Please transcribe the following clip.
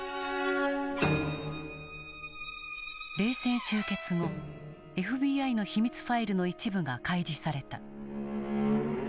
冷戦終結後ＦＢＩの秘密ファイルの一部が開示された。